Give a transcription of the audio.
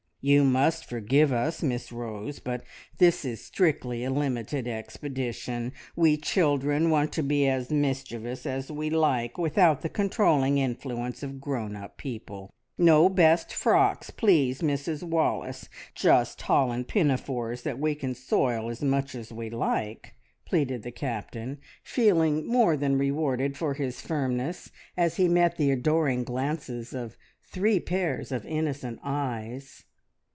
"You must forgive us, Miss Rose, but this is strictly a limited expedition. We children want to be as mischievous as we like without the controlling influence of grown up people. No best frocks, please, Mrs Wallace! Just holland pinafores that we can soil as much as we like!" pleaded the Captain, feeling more than rewarded for his firmness as he met the adoring glances of three pairs of innocent eyes.